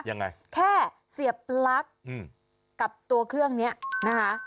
ยังไงแค่เสียบปลั๊กกับตัวเครื่องเนี้ยนะคะ